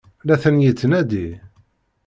La ten-yettnadi?